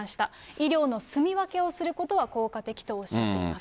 医療のすみわけをすることは効果的とおっしゃっています。